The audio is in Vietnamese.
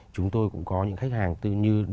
chúng tôi cũng có những khách hàng từ như